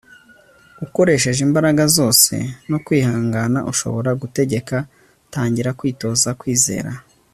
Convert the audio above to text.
ukoresheje imbaraga zose no kwihangana ushobora gutegeka, tangira kwitoza kwizera